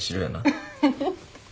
フフフッ！